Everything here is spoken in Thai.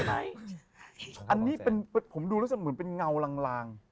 อันนี้ผมดูเหมือนเป็นเงาหลัง